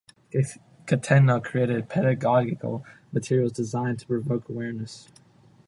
Gattegno created pedagogical materials designed to provoke awarenesses.